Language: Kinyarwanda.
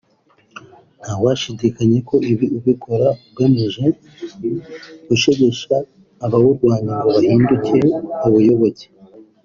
ntawashidikanya ko ibi ubikora ugamije gushegesha abawurwanya ngo bahinduke bawuyoboke